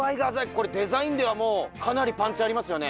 これデザインではもうかなりパンチありますよね。